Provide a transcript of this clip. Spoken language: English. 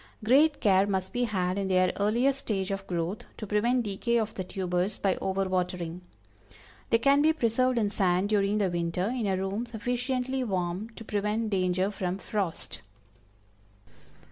Great care must be had in their earliest stage of growth, to prevent decay of the tubers by over watering. They can be preserved in sand during the winter, in a room sufficiently warm to prevent danger from frost.